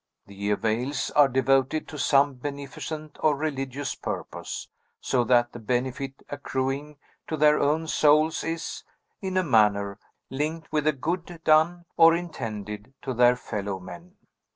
The avails are devoted to some beneficent or religious purpose; so that the benefit accruing to their own souls is, in a manner, linked with a good done, or intended, to their fellow men.